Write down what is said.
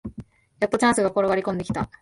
やっとチャンスが転がりこんできた